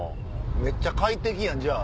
めっちゃ快適やんじゃあ。